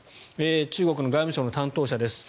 中国の外務省の担当者です。